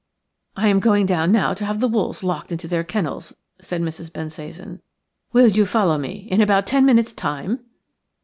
"I am going down now to have the wolves locked into their kennels," said Mrs. Bensasan. "Will you follow me in about ten minutes' time?"